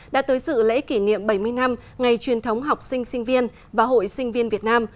đã tới dự lễ kỷ niệm bảy mươi năm ngày truyền thống học sinh sinh viên và hội sinh viên việt nam